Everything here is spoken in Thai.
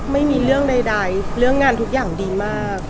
ไม่มีเรื่องใดเรื่องงานทุกอย่างดีมาก